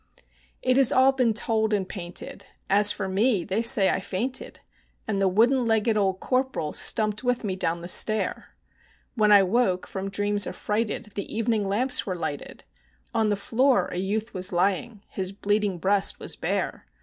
It has all been told and painted; as for me, they say I fainted, And the wooden legged old Corporal stumped with me down the stair: When I woke from dreams affrighted the evening lamps were lighted, On the floor a youth was lying; his bleeding breast was bare.